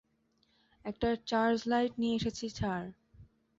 একটা charge light নিয়ে এসেছি স্যার।